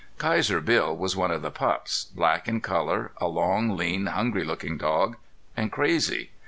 Kaiser Bill was one of the pups, black in color, a long, lean, hungry looking dog, and crazy.